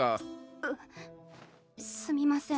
ううっすみません。